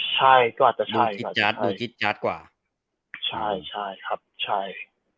ใช่ก็อาจจะใช่